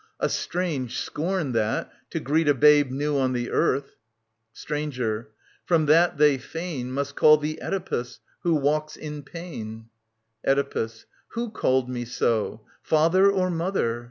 A strange scorn that, to greet A babe new on the earth ! Stranger. From that they fain Must call thee Oedipus, " Who walks in pain, Oedipus. Who called me so — father or mother